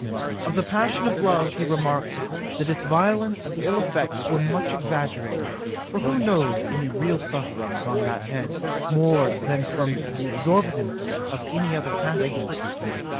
" 'Of the passion of love he remarked, that its violence and ill effects were much exaggerated; for who knows any real sufferings on that head, more than from the exorbitancy of any other passion?